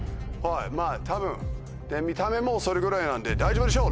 多分見た目もそれぐらいなんで大丈夫でしょう。